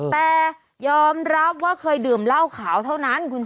แต่ยอมรับว่าเคยดื่มเหล้าขาวเท่านั้น